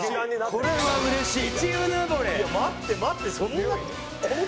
これはうれしい。